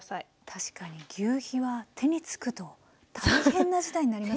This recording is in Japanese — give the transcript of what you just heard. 確かにぎゅうひは手につくと大変な事態になりますからね。